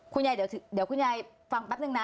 คุณยายเดี๋ยวคุณยายฟังแป๊บนึงนะ